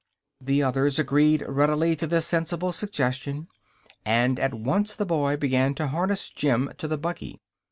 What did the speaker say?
The others agreed readily to this sensible suggestion, and at once the boy began to harness Jim to the buggy.